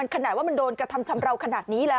ขนาดว่ามันโดนกระทำชำราวขนาดนี้แล้ว